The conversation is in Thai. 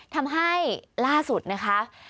ทำให้ล่าสุดนะคะ